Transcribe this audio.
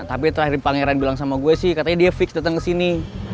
tapi terakhir pangeran bilang sama gue sih katanya dia fix dateng kesini